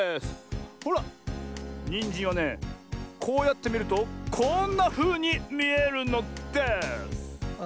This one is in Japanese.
ほらニンジンはねこうやってみるとこんなふうにみえるのです！